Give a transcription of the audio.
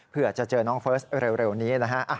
เพื่อจะเจอน้องเฟิร์สเร็วนี้นะฮะ